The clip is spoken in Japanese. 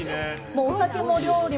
お酒も料理も